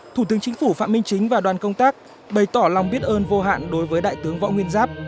thủ tướng chính phủ phạm minh chính và đoàn công tác bày tỏ lòng biết ơn vô hạn đối với đại tướng võ nguyên giáp